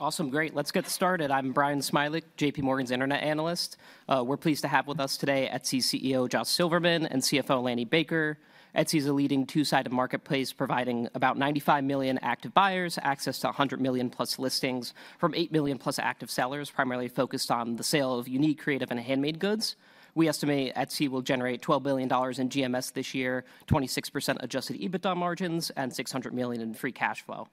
Awesome, great. Let's get started. I'm Brian Smilek, JP Morgan's internet analyst. We're pleased to have with us today Etsy CEO Josh Silverman and CFO Lanny Baker. Etsy is a leading two-sided marketplace providing about 95 million active buyers, access to 100 million plus listings, from 8 million plus active sellers, primarily focused on the sale of unique, creative, and handmade goods. We estimate Etsy will generate $12 billion in GMS this year, 26% adjusted EBITDA margins, and $600 million in free cash flow.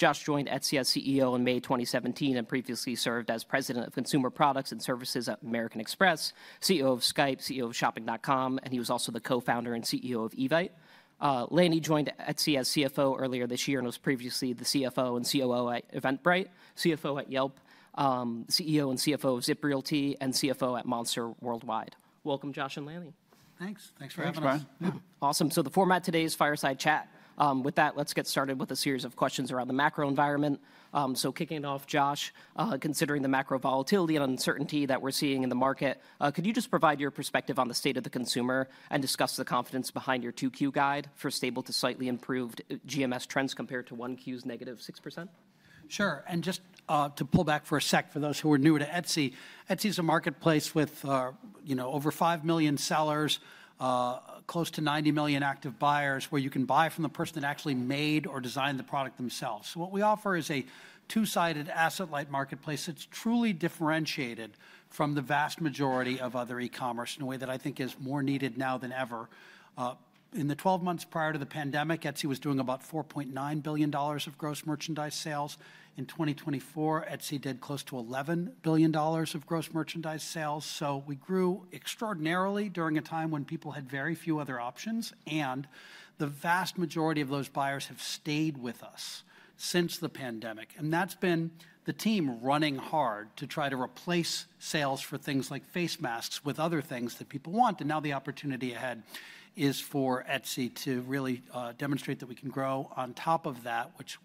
Josh joined Etsy as CEO in May 2017 and previously served as president of consumer products and services at American Express, CEO of Skype, CEO of Shopping.com, and he was also the co-founder and CEO of Evite. Lanny joined Etsy as CFO earlier this year and was previously the CFO and COO at Eventbrite, CFO at Yelp, CEO and CFO of Zip Realty, and CFO at Monster Worldwide. Welcome, Josh and Lanny. Thanks. Thanks for having us. Awesome. The format today is fireside chat. With that, let's get started with a series of questions around the macro environment. Kicking off, Josh, considering the macro volatility and uncertainty that we're seeing in the market, could you just provide your perspective on the state of the consumer and discuss the confidence behind your 2Q guide for stable to slightly improved GMS trends compared to 1Q's -6%? Sure. Just to pull back for a sec for those who are new to Etsy, Etsy is a marketplace with over 5 million sellers, close to 90 million active buyers, where you can buy from the person that actually made or designed the product themselves. What we offer is a two-sided asset-light marketplace that is truly differentiated from the vast majority of other e-commerce in a way that I think is more needed now than ever. In the 12 months prior to the pandemic, Etsy was doing about $4.9 billion of gross merchandise sales. In 2024, Etsy did close to $11 billion of gross merchandise sales. We grew extraordinarily during a time when people had very few other options, and the vast majority of those buyers have stayed with us since the pandemic. That's been the team running hard to try to replace sales for things like face masks with other things that people want. Now the opportunity ahead is for Etsy to really demonstrate that we can grow on top of that, which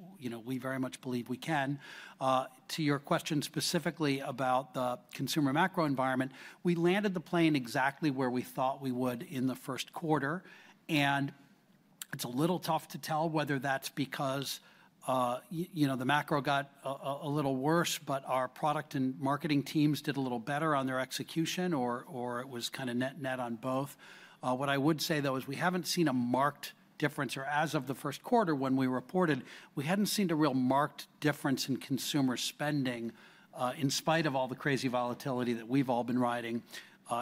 we very much believe we can. To your question specifically about the consumer macro environment, we landed the plane exactly where we thought we would in the first quarter. It's a little tough to tell whether that's because the macro got a little worse, but our product and marketing teams did a little better on their execution, or it was kind of net-net on both. What I would say, though, is we haven't seen a marked difference, or as of the first quarter when we reported, we hadn't seen a real marked difference in consumer spending in spite of all the crazy volatility that we've all been riding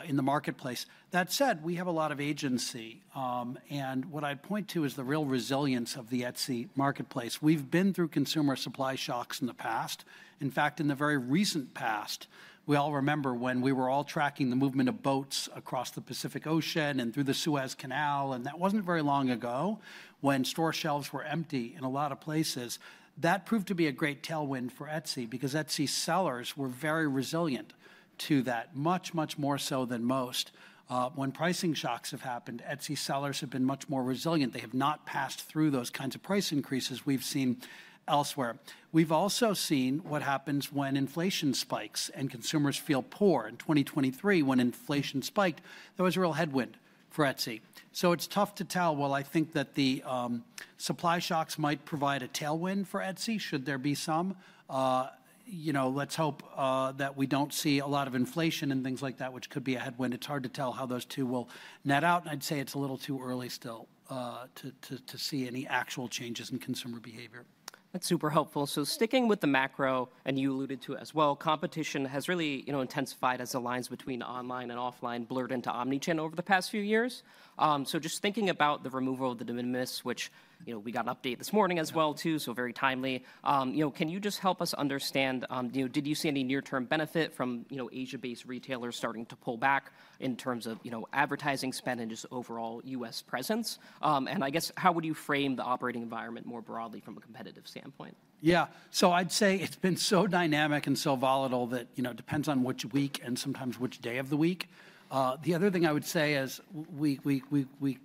in the marketplace. That said, we have a lot of agency. What I'd point to is the real resilience of the Etsy marketplace. We've been through consumer supply shocks in the past. In fact, in the very recent past, we all remember when we were all tracking the movement of boats across the Pacific Ocean and through the Suez Canal, and that wasn't very long ago when store shelves were empty in a lot of places. That proved to be a great tailwind for Etsy because Etsy sellers were very resilient to that, much, much more so than most. When pricing shocks have happened, Etsy sellers have been much more resilient. They have not passed through those kinds of price increases we've seen elsewhere. We've also seen what happens when inflation spikes and consumers feel poor. In 2023, when inflation spiked, that was a real headwind for Etsy. It is tough to tell. I think that the supply shocks might provide a tailwind for Etsy, should there be some. Let's hope that we do not see a lot of inflation and things like that, which could be a headwind. It is hard to tell how those two will net out. I'd say it is a little too early still to see any actual changes in consumer behavior. That's super helpful. Sticking with the macro, and you alluded to it as well, competition has really intensified as the lines between online and offline blurred into omnichannel over the past few years. Just thinking about the removal of the De minimis, which we got an update this morning as well too, very timely, can you just help us understand, did you see any near-term benefit from Asia-based retailers starting to pull back in terms of advertising spend and just overall U.S. presence? I guess, how would you frame the operating environment more broadly from a competitive standpoint? Yeah. I'd say it's been so dynamic and so volatile that it depends on which week and sometimes which day of the week. The other thing I would say is we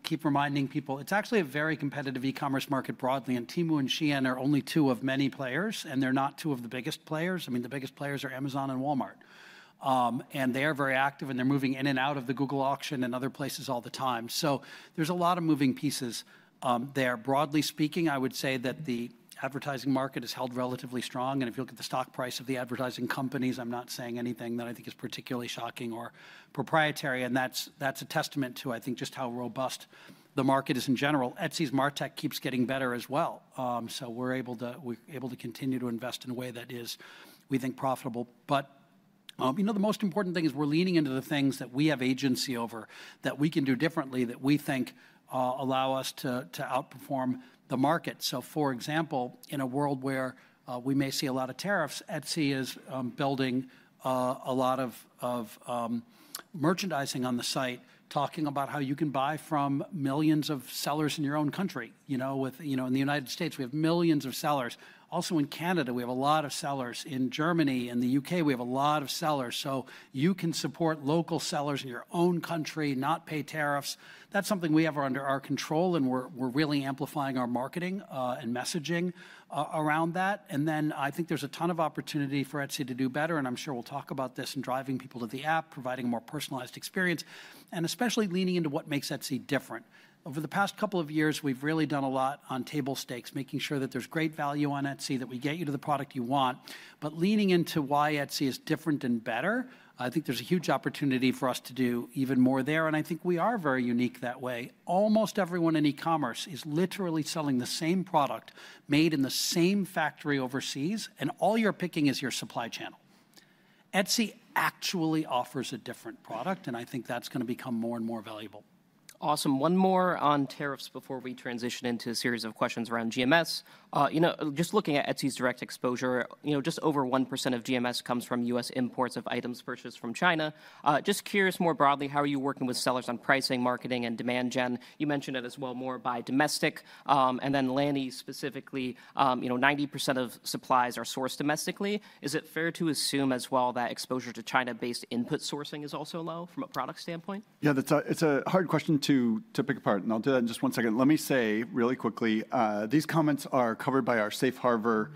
keep reminding people it's actually a very competitive e-commerce market broadly, and Temu and Shein are only two of many players, and they're not two of the biggest players. I mean, the biggest players are Amazon and Walmart. They are very active, and they're moving in and out of the Google auction and other places all the time. There's a lot of moving pieces there. Broadly speaking, I would say that the advertising market has held relatively strong. If you look at the stock price of the advertising companies, I'm not saying anything that I think is particularly shocking or proprietary. That's a testament to, I think, just how robust the market is in general. Etsy's Martech keeps getting better as well. We're able to continue to invest in a way that is, we think, profitable. The most important thing is we're leaning into the things that we have agency over that we can do differently that we think allow us to outperform the market. For example, in a world where we may see a lot of tariffs, Etsy is building a lot of merchandising on the site, talking about how you can buy from millions of sellers in your own country. In the United States, we have millions of sellers. Also in Canada, we have a lot of sellers. In Germany, in the U.K., we have a lot of sellers. You can support local sellers in your own country, not pay tariffs. That's something we have under our control, and we're really amplifying our marketing and messaging around that. I think there's a ton of opportunity for Etsy to do better, and I'm sure we'll talk about this in driving people to the app, providing a more personalized experience, and especially leaning into what makes Etsy different. Over the past couple of years, we've really done a lot on table stakes, making sure that there's great value on Etsy, that we get you to the product you want. Leaning into why Etsy is different and better, I think there's a huge opportunity for us to do even more there. I think we are very unique that way. Almost everyone in e-commerce is literally selling the same product made in the same factory overseas, and all you're picking is your supply channel. Etsy actually offers a different product, and I think that's going to become more and more valuable. Awesome. One more on tariffs before we transition into a series of questions around GMS. Just looking at Etsy's direct exposure, just over 1% of GMS comes from U.S. imports of items purchased from China. Just curious more broadly, how are you working with sellers on pricing, marketing, and demand gen? You mentioned it as well more by domestic. And then Lanny specifically, 90% of supplies are sourced domestically. Is it fair to assume as well that exposure to China-based input sourcing is also low from a product standpoint? Yeah, it's a hard question to pick apart, and I'll do that in just one second. Let me say really quickly, these comments are covered by our Safe Harbor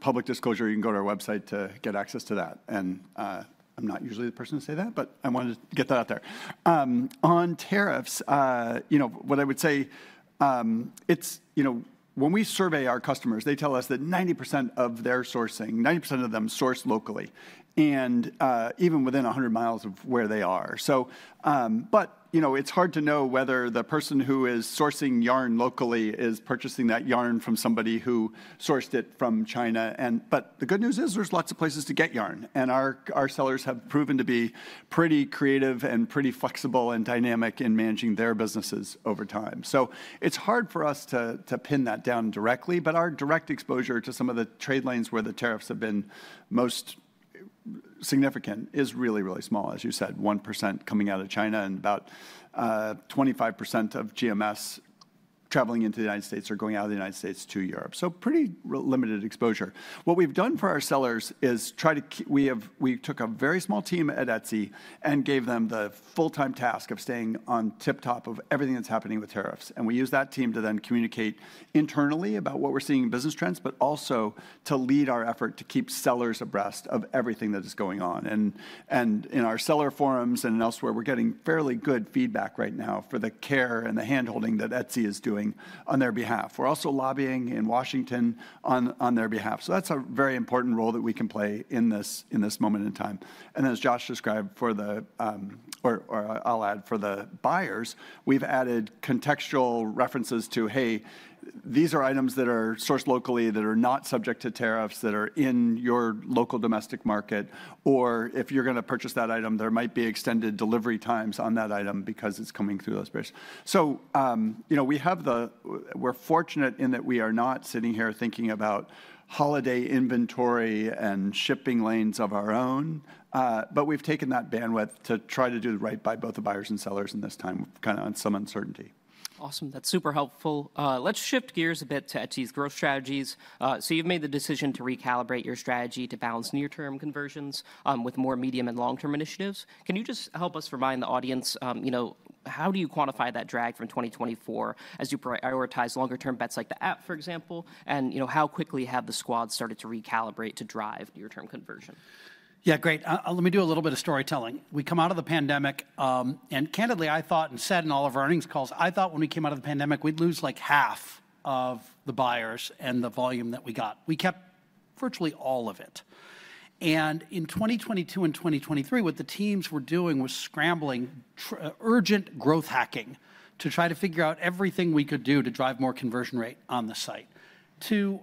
public disclosure. You can go to our website to get access to that. I'm not usually the person to say that, but I wanted to get that out there. On tariffs, what I would say, when we survey our customers, they tell us that 90% of their sourcing, 90% of them source locally, and even within 100 mi of where they are. It's hard to know whether the person who is sourcing yarn locally is purchasing that yarn from somebody who sourced it from China. The good news is there's lots of places to get yarn. Our sellers have proven to be pretty creative and pretty flexible and dynamic in managing their businesses over time. It is hard for us to pin that down directly, but our direct exposure to some of the trade lanes where the tariffs have been most significant is really, really small, as you said, 1% coming out of China and about 25% of GMS traveling into the United States or going out of the United States to Europe. Pretty limited exposure. What we have done for our sellers is try to, we took a very small team at Etsy and gave them the full-time task of staying on tip-top of everything that is happening with tariffs. We use that team to then communicate internally about what we are seeing in business trends, but also to lead our effort to keep sellers abreast of everything that is going on. In our seller forums and elsewhere, we're getting fairly good feedback right now for the care and the handholding that Etsy is doing on their behalf. We're also lobbying in Washington on their behalf. That's a very important role that we can play in this moment in time. As Josh described, or I'll add, for the buyers, we've added contextual references to, hey, these are items that are sourced locally that are not subject to tariffs that are in your local domestic market. If you're going to purchase that item, there might be extended delivery times on that item because it's coming through those bridges. We're fortunate in that we are not sitting here thinking about holiday inventory and shipping lanes of our own. We've taken that bandwidth to try to do right by both the buyers and sellers in this time kind of on some uncertainty. Awesome. That's super helpful. Let's shift gears a bit to Etsy's growth strategies. You have made the decision to recalibrate your strategy to balance near-term conversions with more medium and long-term initiatives. Can you just help us remind the audience, how do you quantify that drag from 2024 as you prioritize longer-term bets like the app, for example, and how quickly have the squad started to recalibrate to drive near-term conversion? Yeah, great. Let me do a little bit of storytelling. We come out of the pandemic, and candidly, I thought and said in all of our earnings calls, I thought when we came out of the pandemic, we'd lose like half of the buyers and the volume that we got. We kept virtually all of it. In 2022 and 2023, what the teams were doing was scrambling, urgent growth hacking to try to figure out everything we could do to drive more conversion rate on the site to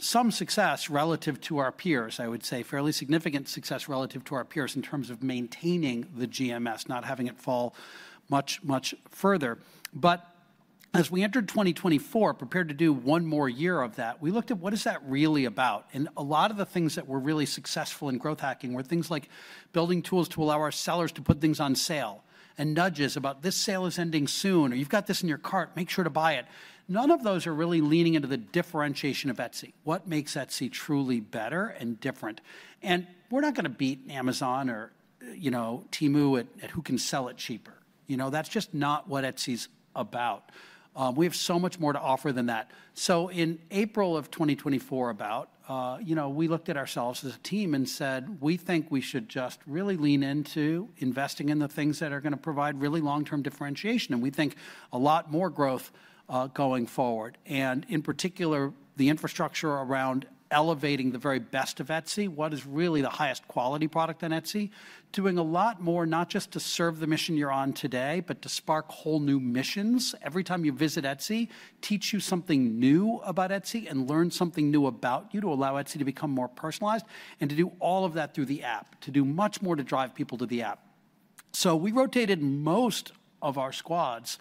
some success relative to our peers, I would say, fairly significant success relative to our peers in terms of maintaining the GMS, not having it fall much, much further. As we entered 2024, prepared to do one more year of that, we looked at what is that really about? A lot of the things that were really successful in growth hacking were things like building tools to allow our sellers to put things on sale and nudges about this sale is ending soon, or you've got this in your cart, make sure to buy it. None of those are really leaning into the differentiation of Etsy, what makes Etsy truly better and different. We're not going to beat Amazon or Temu at who can sell it cheaper. That's just not what Etsy's about. We have so much more to offer than that. In April of 2024, about we looked at ourselves as a team and said, we think we should just really lean into investing in the things that are going to provide really long-term differentiation. We think a lot more growth going forward. In particular, the infrastructure around elevating the very best of Etsy, what is really the highest quality product on Etsy, doing a lot more, not just to serve the mission you're on today, but to spark whole new missions. Every time you visit Etsy, teach you something new about Etsy and learn something new about you to allow Etsy to become more personalized and to do all of that through the app, to do much more to drive people to the app. We rotated most of our squads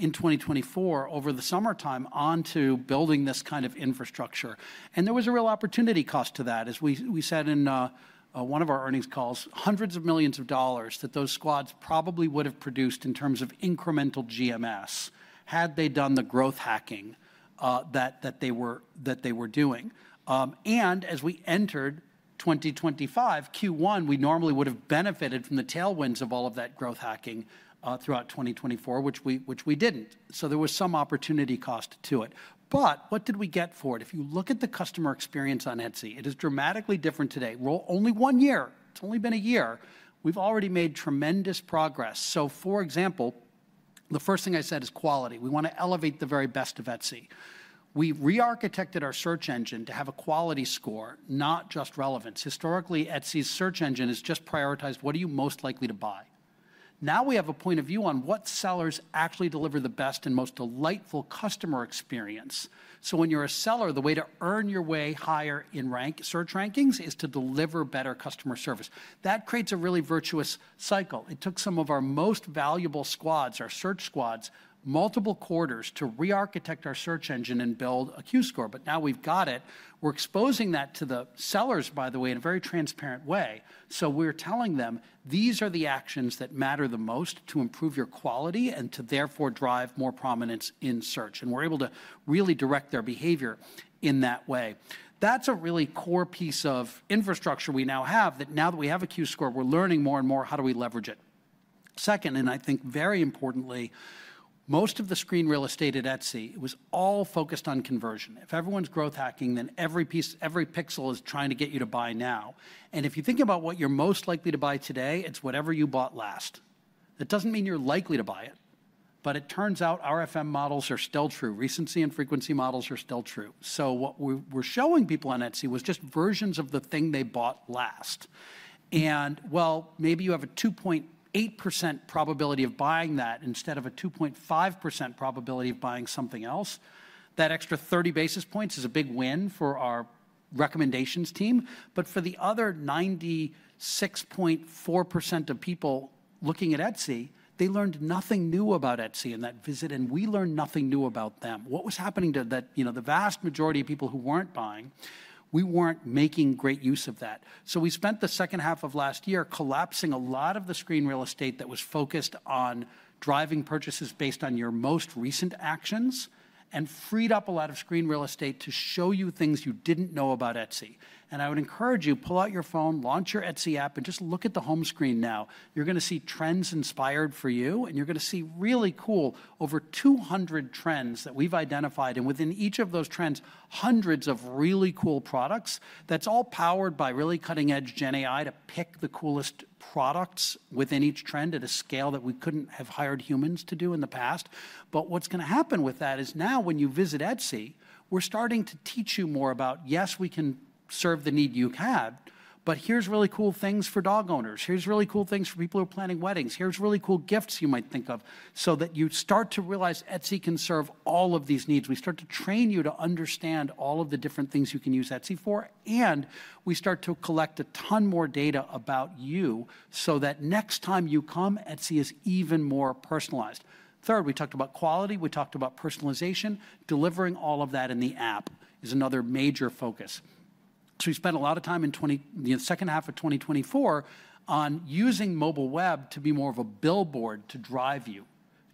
in 2024 over the summertime onto building this kind of infrastructure. There was a real opportunity cost to that. As we said in one of our earnings calls, hundreds of millions of dollars that those squads probably would have produced in terms of incremental GMS had they done the growth hacking that they were doing. As we entered 2025, Q1, we normally would have benefited from the tailwinds of all of that growth hacking throughout 2024, which we did not. There was some opportunity cost to it. What did we get for it? If you look at the customer experience on Etsy, it is dramatically different today. Only one year. It has only been a year. We have already made tremendous progress. For example, the first thing I said is quality. We want to elevate the very best of Etsy. We re-architected our search engine to have a quality score, not just relevance. Historically, Etsy's search engine has just prioritized what are you most likely to buy. Now we have a point of view on what sellers actually deliver the best and most delightful customer experience. When you're a seller, the way to earn your way higher in search rankings is to deliver better customer service. That creates a really virtuous cycle. It took some of our most valuable squads, our search squads, multiple quarters to re-architect our search engine and build a Q score. Now we've got it. We're exposing that to the sellers, by the way, in a very transparent way. We're telling them, these are the actions that matter the most to improve your quality and to therefore drive more prominence in search. We're able to really direct their behavior in that way. That's a really core piece of infrastructure we now have. Now that we have a Q score, we're learning more and more how do we leverage it. Second, and I think very importantly, most of the screen real estate at Etsy was all focused on conversion. If everyone's growth hacking, then every pixel is trying to get you to buy now. If you think about what you're most likely to buy today, it's whatever you bought last. That doesn't mean you're likely to buy it. It turns out RFM models are still true. Recency and frequency models are still true. What we were showing people on Etsy was just versions of the thing they bought last. Maybe you have a 2.8% probability of buying that instead of a 2.5% probability of buying something else. That extra 30 basis points is a big win for our recommendations team. For the other 96.4% of people looking at Etsy, they learned nothing new about Etsy in that visit, and we learned nothing new about them. What was happening to the vast majority of people who were not buying? We were not making great use of that. We spent the second half of last year collapsing a lot of the screen real estate that was focused on driving purchases based on your most recent actions and freed up a lot of screen real estate to show you things you did not know about Etsy. I would encourage you, pull out your phone, launch your Etsy app, and just look at the home screen now. You are going to see trends inspired for you, and you are going to see really cool over 200 trends that we have identified. Within each of those trends, hundreds of really cool products. That's all powered by really cutting-edge Gen AI to pick the coolest products within each trend at a scale that we couldn't have hired humans to do in the past. What's going to happen with that is now when you visit Etsy, we're starting to teach you more about, yes, we can serve the need you have, but here's really cool things for dog owners. Here's really cool things for people who are planning weddings. Here's really cool gifts you might think of so that you start to realize Etsy can serve all of these needs. We start to train you to understand all of the different things you can use Etsy for, and we start to collect a ton more data about you so that next time you come, Etsy is even more personalized. Third, we talked about quality. We talked about personalization. Delivering all of that in the app is another major focus. We spent a lot of time in the second half of 2024 on using mobile web to be more of a billboard to drive you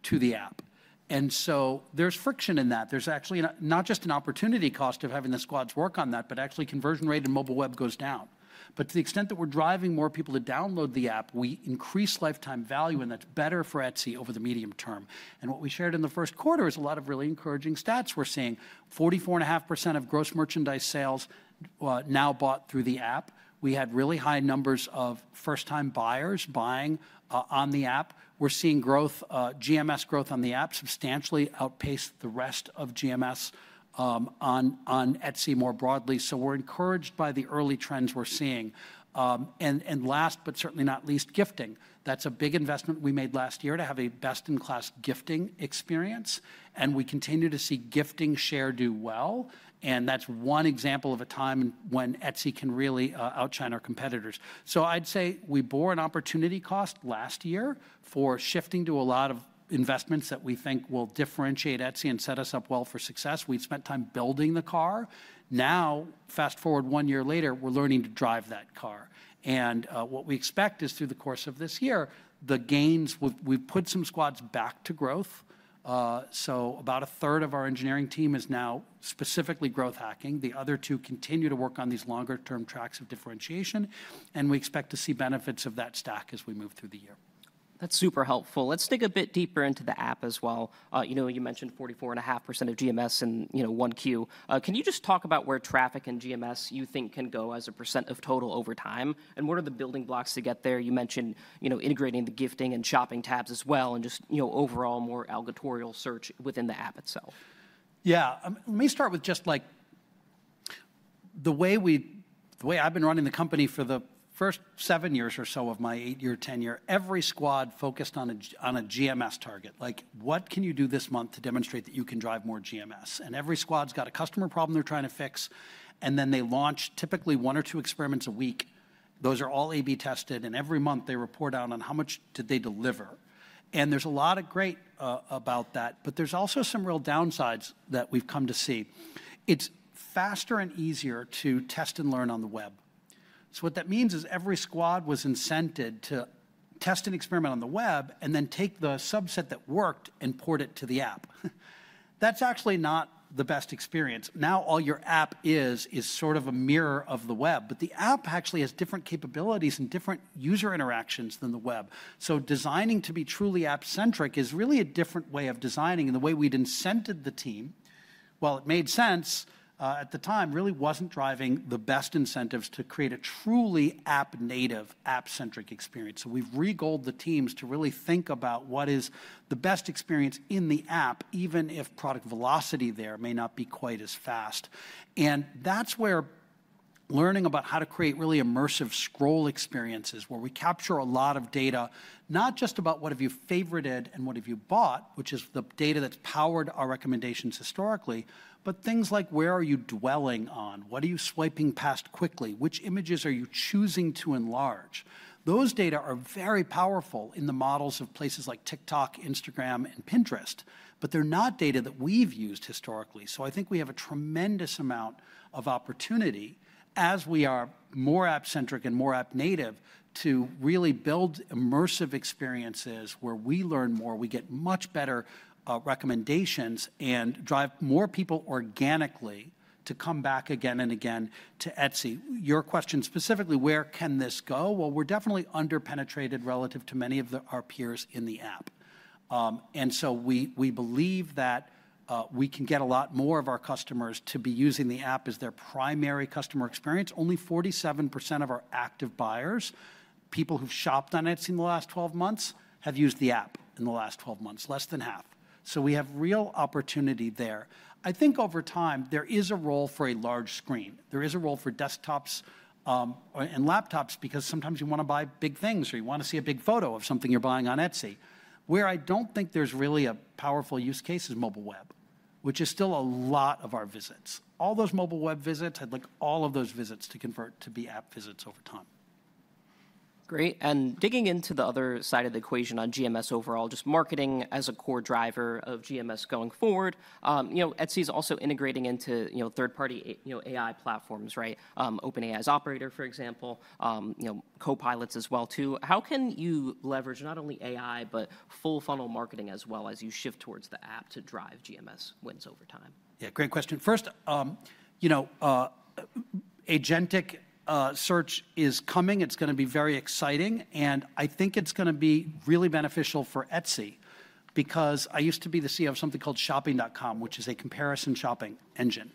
to the app. There is friction in that. There is actually not just an opportunity cost of having the squads work on that, but actually conversion rate in mobile web goes down. To the extent that we are driving more people to download the app, we increase lifetime value, and that is better for Etsy over the medium term. What we shared in the first quarter is a lot of really encouraging stats. We are seeing 44.5% of gross merchandise sales now bought through the app. We had really high numbers of first-time buyers buying on the app. We're seeing GMS growth on the app substantially outpace the rest of GMS on Etsy more broadly. We are encouraged by the early trends we're seeing. Last, but certainly not least, gifting. That's a big investment we made last year to have a best-in-class gifting experience. We continue to see gifting share do well. That's one example of a time when Etsy can really outshine our competitors. I'd say we bore an opportunity cost last year for shifting to a lot of investments that we think will differentiate Etsy and set us up well for success. We'd spent time building the car. Now, fast forward one year later, we're learning to drive that car. What we expect is through the course of this year, the gains, we've put some squads back to growth. About a third of our engineering team is now specifically growth hacking. The other two continue to work on these longer-term tracks of differentiation. We expect to see benefits of that stack as we move through the year. That's super helpful. Let's dig a bit deeper into the app as well. You mentioned 44.5% of GMS in one queue. Can you just talk about where traffic and GMS you think can go as a % of total over time? What are the building blocks to get there? You mentioned integrating the gifting and shopping tabs as well and just overall more alligatorial search within the app itself. Yeah. Let me start with just like the way I've been running the company for the first seven years or so of my eight-year tenure, every squad focused on a GMS target. Like, what can you do this month to demonstrate that you can drive more GMS? Every squad's got a customer problem they're trying to fix. They launch typically one or two experiments a week. Those are all A/B tested. Every month they report out on how much did they deliver. There's a lot of great about that, but there's also some real downsides that we've come to see. It's faster and easier to test and learn on the web. What that means is every squad was incented to test an experiment on the web and then take the subset that worked and port it to the app. That's actually not the best experience. Now all your app is is sort of a mirror of the web, but the app actually has different capabilities and different user interactions than the web. Designing to be truly app-centric is really a different way of designing. The way we'd incented the team, while it made sense at the time, really wasn't driving the best incentives to create a truly app-native, app-centric experience. We have regoled the teams to really think about what is the best experience in the app, even if product velocity there may not be quite as fast. That's where learning about how to create really immersive scroll experiences, where we capture a lot of data, not just about what have you favorited and what have you bought, which is the data that's powered our recommendations historically, but things like where are you dwelling on? What are you swiping past quickly? Which images are you choosing to enlarge? Those data are very powerful in the models of places like TikTok, Instagram, and Pinterest, but they're not data that we've used historically. I think we have a tremendous amount of opportunity as we are more app-centric and more app-native to really build immersive experiences where we learn more, we get much better recommendations, and drive more people organically to come back again and again to Etsy. Your question specifically, where can this go? We are definitely underpenetrated relative to many of our peers in the app. We believe that we can get a lot more of our customers to be using the app as their primary customer experience. Only 47% of our active buyers, people who've shopped on Etsy in the last 12 months, have used the app in the last 12 months, less than half. So we have real opportunity there. I think over time, there is a role for a large screen. There is a role for desktops and laptops because sometimes you want to buy big things or you want to see a big photo of something you're buying on Etsy. Where I don't think there's really a powerful use case is mobile web, which is still a lot of our visits. All those mobile web visits, I'd like all of those visits to convert to be app visits over time. Great. Digging into the other side of the equation on GMS overall, just marketing as a core driver of GMS going forward, Etsy's also integrating into third-party AI platforms, right? OpenAI's Operator, for example, Copilots as well too. How can you leverage not only AI, but full-funnel marketing as well as you shift towards the app to drive GMS wins over time? Yeah, great question. First, agentic search is coming. It's going to be very exciting. I think it's going to be really beneficial for Etsy because I used to be the CEO of something called Shopping.com, which is a comparison shopping engine.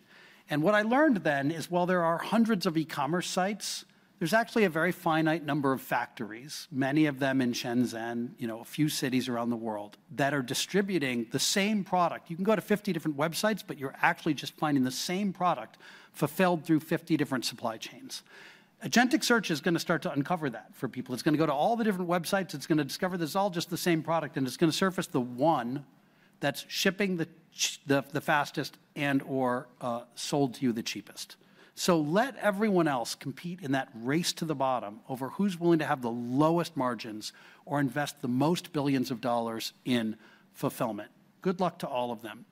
What I learned then is while there are hundreds of e-commerce sites, there's actually a very finite number of factories, many of them in Shenzhen, a few cities around the world that are distributing the same product. You can go to 50 different websites, but you're actually just finding the same product fulfilled through 50 different supply chains. Agentic search is going to start to uncover that for people. It's going to go to all the different websites. It's going to discover there's all just the same product, and it's going to surface the one that's shipping the fastest and/or sold to you the cheapest. Let everyone else compete in that race to the bottom over who's willing to have the lowest margins or invest the most billions of dollars in fulfillment. Good luck to all of them.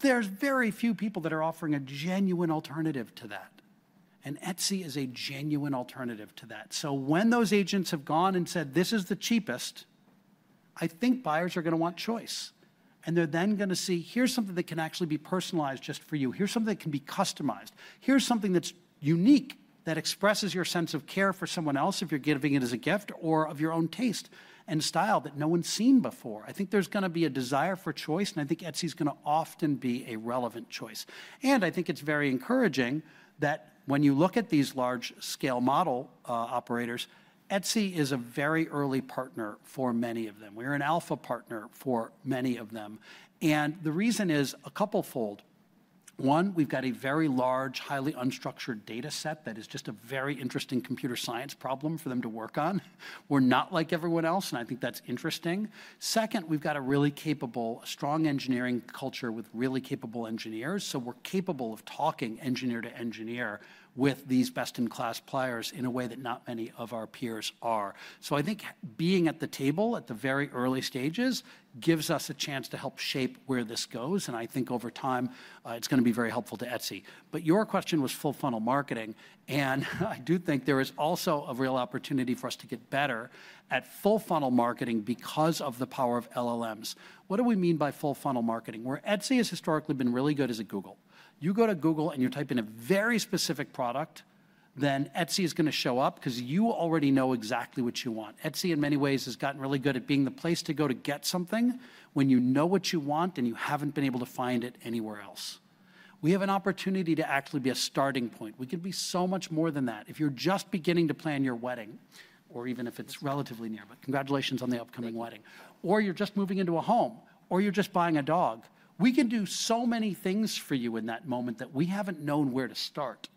There are very few people that are offering a genuine alternative to that. Etsy is a genuine alternative to that. When those agents have gone and said, this is the cheapest, I think buyers are going to want choice. They're then going to see, here's something that can actually be personalized just for you. Here's something that can be customized. Here's something that's unique that expresses your sense of care for someone else if you're giving it as a gift or of your own taste and style that no one's seen before. I think there's going to be a desire for choice, and I think Etsy's going to often be a relevant choice. I think it's very encouraging that when you look at these large-scale model operators, Etsy is a very early partner for many of them. We're an alpha partner for many of them. The reason is a couple-fold. One, we've got a very large, highly unstructured data set that is just a very interesting computer science problem for them to work on. We're not like everyone else, and I think that's interesting. Second, we've got a really capable, strong engineering culture with really capable engineers. We're capable of talking engineer to engineer with these best-in-class players in a way that not many of our peers are. I think being at the table at the very early stages gives us a chance to help shape where this goes. I think over time, it's going to be very helpful to Etsy. Your question was full-funnel marketing. I do think there is also a real opportunity for us to get better at full-funnel marketing because of the power of LLMs. What do we mean by full-funnel marketing? Where Etsy has historically been really good is at Google. You go to Google and you type in a very specific product, then Etsy is going to show up because you already know exactly what you want. Etsy, in many ways, has gotten really good at being the place to go to get something when you know what you want and you have not been able to find it anywhere else. We have an opportunity to actually be a starting point. We can be so much more than that. If you're just beginning to plan your wedding, or even if it's relatively near, congratulations on the upcoming wedding, or you're just moving into a home, or you're just buying a dog, we can do so many things for you in that moment that we haven't known where to start.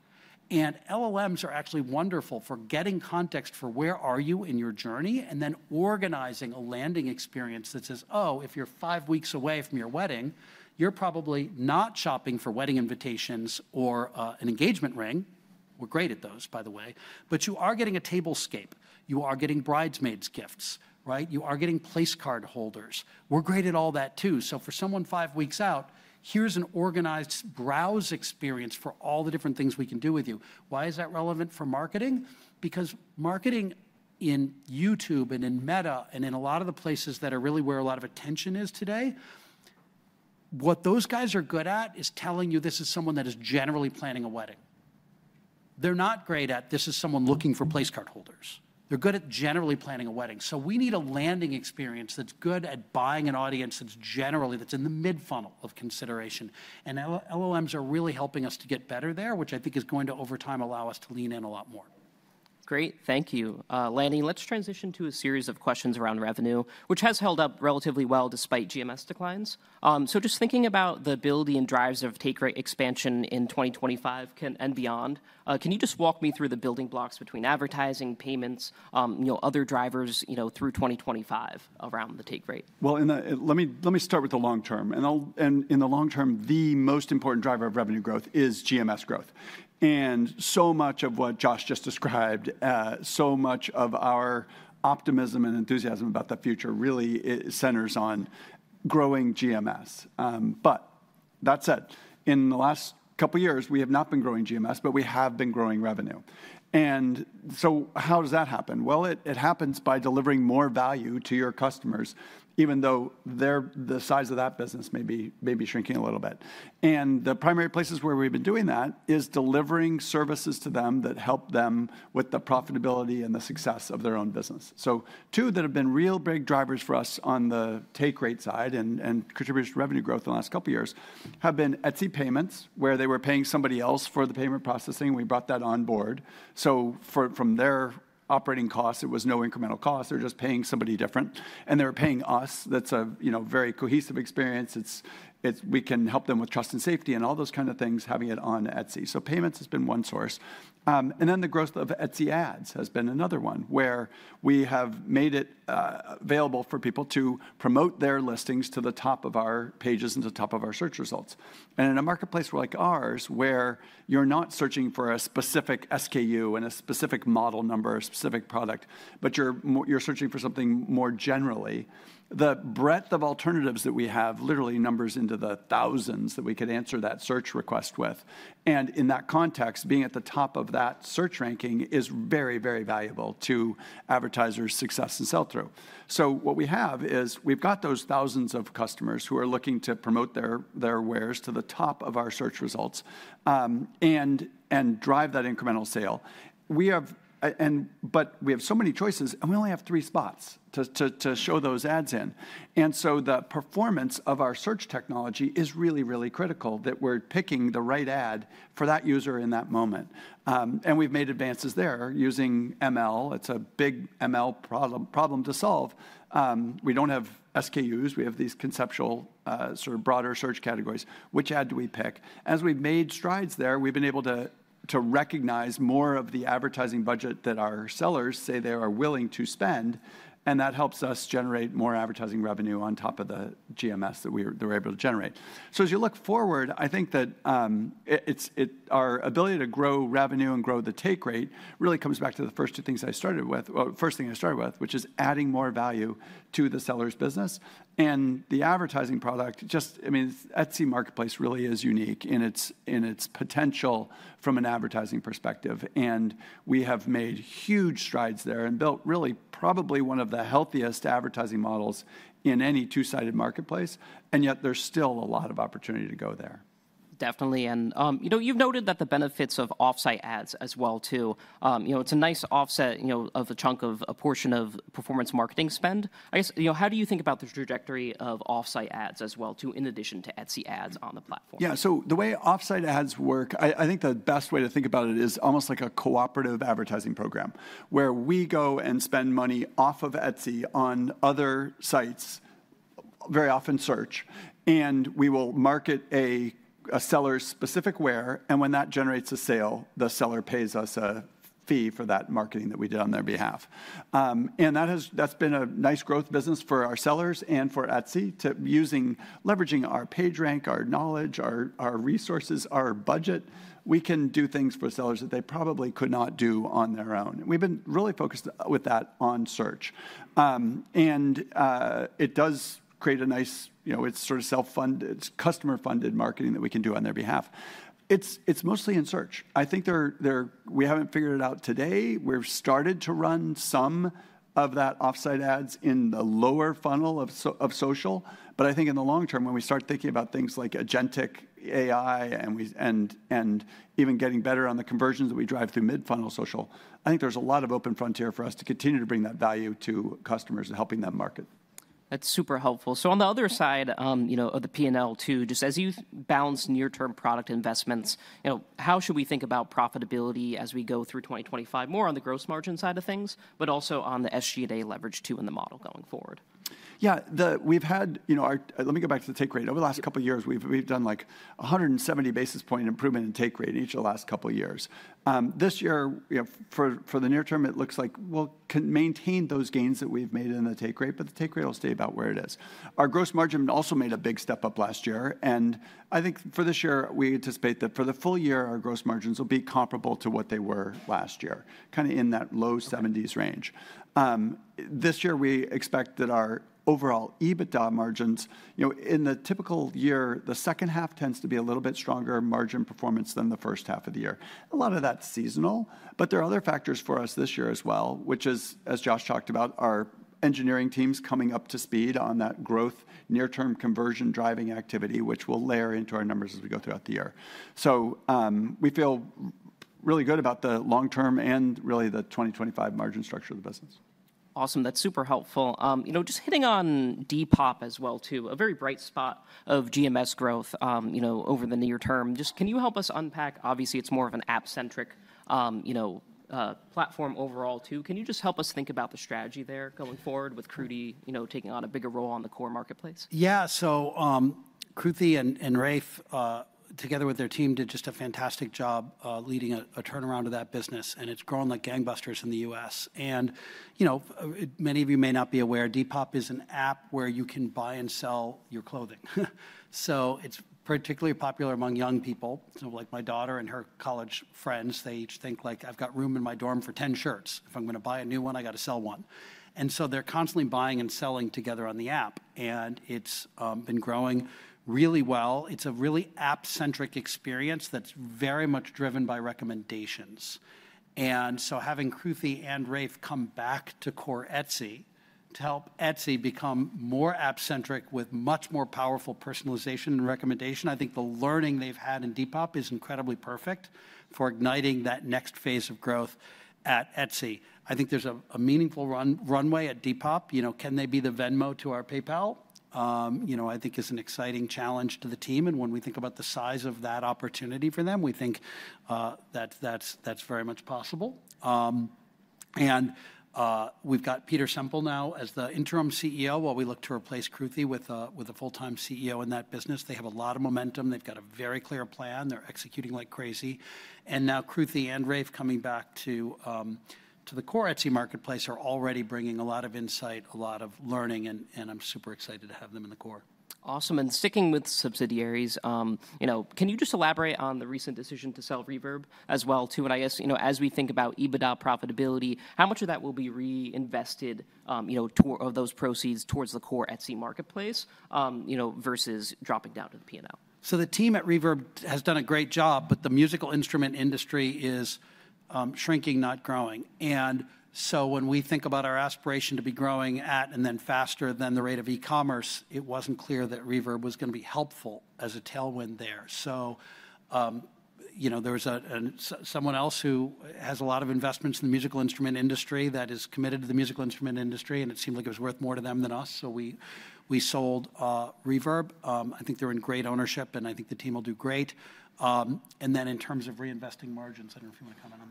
LLMs are actually wonderful for getting context for where are you in your journey and then organizing a landing experience that says, oh, if you're five weeks away from your wedding, you're probably not shopping for wedding invitations or an engagement ring. We're great at those, by the way. You are getting a tablescape. You are getting bridesmaids' gifts, right? You are getting place card holders. We're great at all that too. For someone five weeks out, here's an organized browse experience for all the different things we can do with you. Why is that relevant for marketing? Because marketing in YouTube and in Meta and in a lot of the places that are really where a lot of attention is today, what those guys are good at is telling you this is someone that is generally planning a wedding. They're not great at this is someone looking for place card holders. They're good at generally planning a wedding. We need a landing experience that's good at buying an audience that's generally that's in the mid-funnel of consideration. LLMs are really helping us to get better there, which I think is going to over time allow us to lean in a lot more. Great. Thank you. Lanny, let's transition to a series of questions around revenue, which has held up relatively well despite GMS declines. Just thinking about the ability and drivers of take rate expansion in 2025 and beyond, can you just walk me through the building blocks between advertising, payments, other drivers through 2025 around the take rate? Let me start with the long term. In the long term, the most important driver of revenue growth is GMS growth. So much of what Josh just described, so much of our optimism and enthusiasm about the future really centers on growing GMS. That said, in the last couple of years, we have not been growing GMS, but we have been growing revenue. How does that happen? It happens by delivering more value to your customers, even though the size of that business may be shrinking a little bit. The primary places where we have been doing that is delivering services to them that help them with the profitability and the success of their own business. Two that have been real big drivers for us on the take rate side and contributors to revenue growth in the last couple of years have been Etsy payments, where they were paying somebody else for the payment processing. We brought that on board. From their operating costs, it was no incremental cost. They are just paying somebody different. And they are paying us. That is a very cohesive experience. We can help them with trust and safety and all those kinds of things having it on Etsy. Payments has been one source. The growth of Etsy ads has been another one where we have made it available for people to promote their listings to the top of our pages and to the top of our search results. In a marketplace like ours, where you're not searching for a specific SKU and a specific model number, a specific product, but you're searching for something more generally, the breadth of alternatives that we have literally numbers into the thousands that we could answer that search request with. In that context, being at the top of that search ranking is very, very valuable to advertisers' success and sell-through. What we have is we've got those thousands of customers who are looking to promote their wares to the top of our search results and drive that incremental sale. We have so many choices, and we only have three spots to show those ads in. The performance of our search technology is really, really critical that we're picking the right ad for that user in that moment. We've made advances there using ML. It's a big ML problem to solve. We don't have SKUs. We have these conceptual sort of broader search categories. Which ad do we pick? As we've made strides there, we've been able to recognize more of the advertising budget that our sellers say they are willing to spend. That helps us generate more advertising revenue on top of the GMS that we were able to generate. As you look forward, I think that our ability to grow revenue and grow the take rate really comes back to the first two things I started with, well, first thing I started with, which is adding more value to the seller's business. The advertising product, just, I mean, Etsy Marketplace really is unique in its potential from an advertising perspective. We have made huge strides there and built really probably one of the healthiest advertising models in any two-sided marketplace. Yet there's still a lot of opportunity to go there. Definitely. You have noted that the benefits of offsite ads as well too. It is a nice offset of a chunk of a portion of performance marketing spend. I guess, how do you think about the trajectory of offsite ads as well too, in addition to Etsy ads on the platform? Yeah. The way offsite ads work, I think the best way to think about it is almost like a cooperative advertising program, where we go and spend money off of Etsy on other sites, very often search. We will market a seller-specific ware, and when that generates a sale, the seller pays us a fee for that marketing that we did on their behalf. That has been a nice growth business for our sellers and for Etsy, leveraging our page rank, our knowledge, our resources, our budget. We can do things for sellers that they probably could not do on their own. We've been really focused with that on search. It does create a nice, it's sort of self-funded, it's customer-funded marketing that we can do on their behalf. It's mostly in search. I think we haven't figured it out today. We've started to run some of that Offsite Ads in the lower funnel of social. I think in the long term, when we start thinking about things like agentic AI and even getting better on the conversions that we drive through mid-funnel social, I think there's a lot of open frontier for us to continue to bring that value to customers and helping them market. That's super helpful. On the other side of the P&L too, just as you balance near-term product investments, how should we think about profitability as we go through 2025, more on the gross margin side of things, but also on the SG&A leverage too in the model going forward? Yeah. Let me go back to the take rate. Over the last couple of years, we've done like 170 basis point improvement in take rate in each of the last couple of years. This year, for the near term, it looks like we'll maintain those gains that we've made in the take rate, but the take rate will stay about where it is. Our gross margin also made a big step up last year. I think for this year, we anticipate that for the full year, our gross margins will be comparable to what they were last year, kind of in that low 70% range. This year, we expect that our overall EBITDA margins, in the typical year, the second half tends to be a little bit stronger margin performance than the first half of the year. A lot of that's seasonal. There are other factors for us this year as well, which is, as Josh talked about, our engineering teams coming up to speed on that growth, near-term conversion driving activity, which will layer into our numbers as we go throughout the year. We feel really good about the long term and really the 2025 margin structure of the business. Awesome. That's super helpful. Just hitting on Depop as well too, a very bright spot of GMS growth over the near term. Just can you help us unpack, obviously, it's more of an app-centric platform overall too. Can you just help us think about the strategy there going forward with Kruti taking on a bigger role on the core marketplace? Yeah. Kruti and Rafe, together with their team, did just a fantastic job leading a turnaround of that business. It has grown like gangbusters in the U.S. Many of you may not be aware, Depop is an app where you can buy and sell your clothing. It is particularly popular among young people. Like my daughter and her college friends, they each think, I have got room in my dorm for 10 shirts. If I am going to buy a new one, I have got to sell one. They are constantly buying and selling together on the app. It has been growing really well. It is a really app-centric experience that is very much driven by recommendations. Having Kruti and Rafe come back to core Etsy to help Etsy become more app-centric with much more powerful personalization and recommendation, I think the learning they've had in Depop is incredibly perfect for igniting that next phase of growth at Etsy. I think there's a meaningful runway at Depop. Can they be the Venmo to our PayPal? I think it's an exciting challenge to the team. When we think about the size of that opportunity for them, we think that's very much possible. We've got Peter Semple now as the interim CEO while we look to replace Kruti with a full-time CEO in that business. They have a lot of momentum. They've got a very clear plan. They're executing like crazy. Now Kruti and Rafe coming back to the core Etsy marketplace are already bringing a lot of insight, a lot of learning. I'm super excited to have them in the core. Awesome. And sticking with subsidiaries, can you just elaborate on the recent decision to sell Reverb as well too? And I guess, as we think about EBITDA profitability, how much of that will be reinvested of those proceeds towards the core Etsy marketplace versus dropping down to the P&L? The team at Reverb has done a great job, but the musical instrument industry is shrinking, not growing. When we think about our aspiration to be growing at and then faster than the rate of e-commerce, it was not clear that Reverb was going to be helpful as a tailwind there. There is someone else who has a lot of investments in the musical instrument industry that is committed to the musical instrument industry. It seemed like it was worth more to them than us. We sold Reverb. I think they are in great ownership. I think the team will do great. In terms of reinvesting margins, I do not know if you want to comment on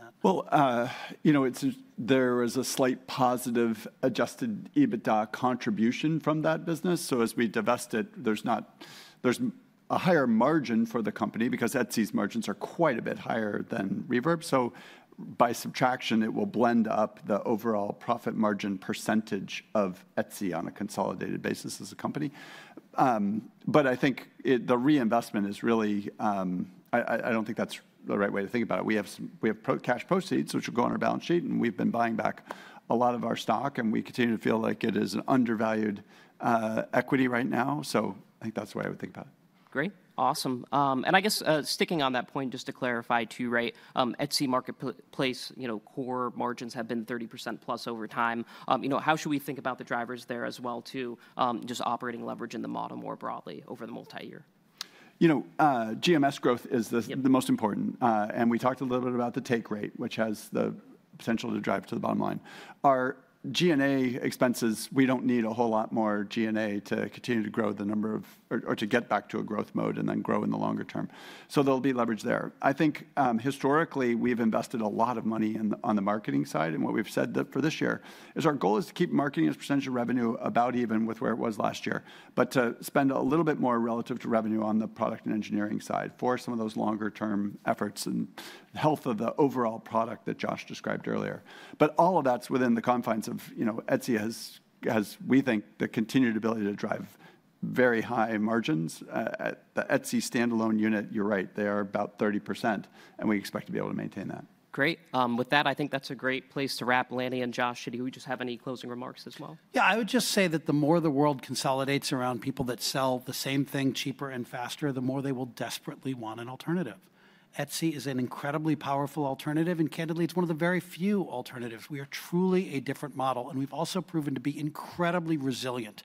that. There is a slight positive adjusted EBITDA contribution from that business. As we divest it, there's a higher margin for the company because Etsy's margins are quite a bit higher than Reverb. By subtraction, it will blend up the overall profit margin percentage of Etsy on a consolidated basis as a company. I think the reinvestment is really, I don't think that's the right way to think about it. We have cash proceeds, which will go on our balance sheet. We've been buying back a lot of our stock. We continue to feel like it is an undervalued equity right now. I think that's the way I would think about it. Great. Awesome. I guess sticking on that point, just to clarify too, right, Etsy marketplace core margins have been 30% plus over time. How should we think about the drivers there as well too, just operating leverage in the model more broadly over the multi-year? GMS growth is the most important. We talked a little bit about the take rate, which has the potential to drive to the bottom line. Our G&A expenses, we do not need a whole lot more G&A to continue to grow the number of or to get back to a growth mode and then grow in the longer term. There will be leverage there. I think historically, we have invested a lot of money on the marketing side. What we have said for this year is our goal is to keep marketing as a percentage of revenue about even with where it was last year, but to spend a little bit more relative to revenue on the product and engineering side for some of those longer-term efforts and health of the overall product that Josh described earlier. All of that's within the confines of Etsy has, we think, the continued ability to drive very high margins. The Etsy standalone unit, you're right, they are about 30%. And we expect to be able to maintain that. Great. With that, I think that's a great place to wrap, Lanny and Josh. Did you just have any closing remarks as well? Yeah. I would just say that the more the world consolidates around people that sell the same thing cheaper and faster, the more they will desperately want an alternative. Etsy is an incredibly powerful alternative. And candidly, it's one of the very few alternatives. We are truly a different model. We've also proven to be incredibly resilient.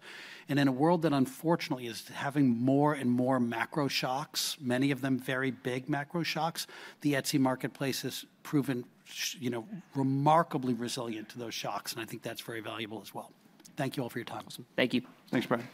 In a world that unfortunately is having more and more macro shocks, many of them very big macro shocks, the Etsy marketplace has proven remarkably resilient to those shocks. I think that's very valuable as well. Thank you all for your time. Thank you. Thanks, Brian.